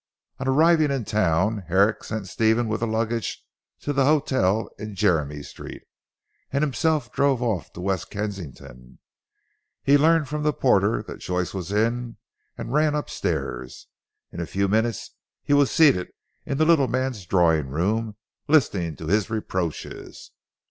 On arriving in Town Herrick sent Stephen with the luggage to the hotel in Jermyn Street and himself drove off to West Kensington. He learned from the porter that Joyce was in, and ran upstairs. In a few minutes he was seated in the little man's drawing room listening to his reproaches.